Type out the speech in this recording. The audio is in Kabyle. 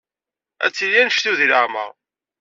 Ad tili anect-iw deg leɛmeṛ.